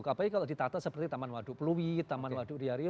apalagi kalau ditata seperti taman waduk pluit taman waduk riario